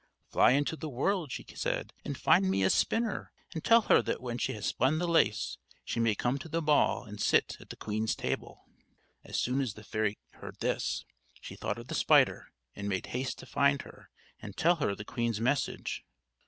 "Fly into the world," she said, "and find me a spinner; and tell her that when she has spun the lace, she may come to the ball and sit at the queen's table." As soon as the fairy heard this, she thought of the spider, and made haste to find her and tell her the queen's message.